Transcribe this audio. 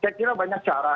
saya kira banyak cara